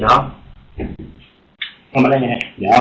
เอ้าพี่ทำอะไรเนี่ยเดี๋ยว